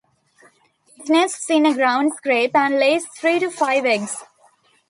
It nests in a ground scrape and lays three to five eggs.